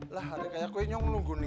lah ada yang menunggu nih